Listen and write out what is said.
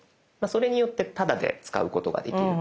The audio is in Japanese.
それによってタダで使うことができる。